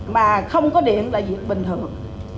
mà không có điện là việc bình thường